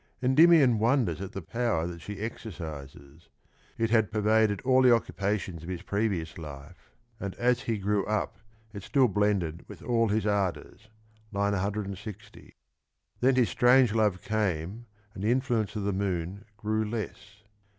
Endymion wonders at the power that she exercises; it had pervaded all the occupations of his earlier life, and as he grew up it still blended with all his ardours (i6o) and lor Diana, ^[^q^i his strauge lovc camc and the influence of the moon grew less.